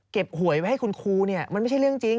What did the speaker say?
เก็บหวยไว้ให้คุณครูมันไม่ใช่เรื่องจริง